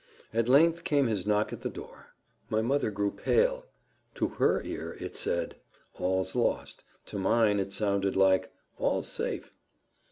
At length came his knock at the door. My mother grew pale to her ear it said "all's lost;" to mine it sounded like "all's safe."